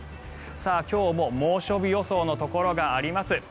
今日も猛暑日予想のところがあります。